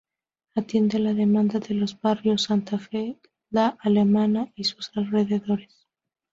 Atiende la demanda de los barrios Santa Fe, La Alameda y sus alrededores.